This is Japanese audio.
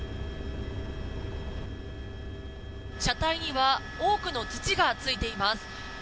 車体には多くの土がついています。